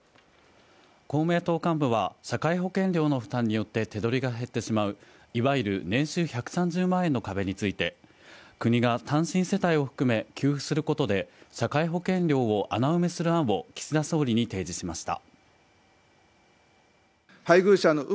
公明党幹部は、社会保険料の負担によって手取りが減ってしまう、いわゆる年収１３０万円の壁について国が単身世帯を含め給付することで、社会保険料を穴埋めする案を岸田総理に提示しました。